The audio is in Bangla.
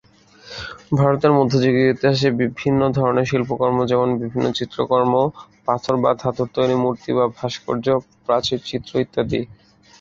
ভারতের মধ্যযুগীয় ইতিহাসে বিভিন্ন ধরনের শিল্পকর্ম যেমন বিভিন্ন চিত্রকর্ম, পাথর বা ধাতুর তৈরি মূর্তি বা ভাস্কর্য, প্রাচীর চিত্র ইত্যাদি।